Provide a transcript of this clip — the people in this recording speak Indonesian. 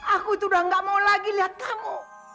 aku sudah nggak mau lagi lihat kamu